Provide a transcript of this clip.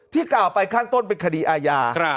กล่าวไปข้างต้นเป็นคดีอาญา